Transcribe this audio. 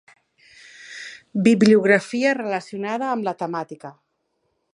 Bibliografia relacionada amb la temàtica.